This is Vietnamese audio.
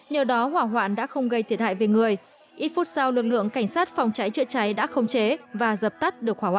nhờ đó hỏa hoạn đã không gây thiệt hại về người ít phút sau lực lượng cảnh sát phòng cháy chữa cháy đã không chế và dập tắt được hỏa hoạn